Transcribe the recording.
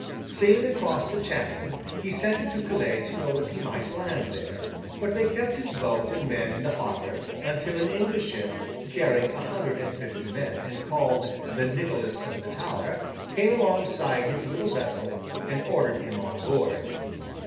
Sailing across the Channel, he sent into Calais to know if he might land there; but, they kept his boat and men in the harbour, until an English ship, carrying a hundred and fifty men and called the Nicholas of the Tower, came alongside his little vessel, and ordered him on board.